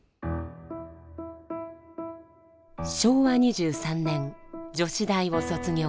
昭和２３年女子大を卒業。